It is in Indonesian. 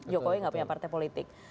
jokowi nggak punya partai politik